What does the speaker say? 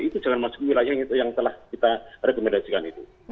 itu jangan masuk ke wilayah yang telah kita rekomendasikan itu